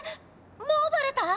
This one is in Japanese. もうバレた？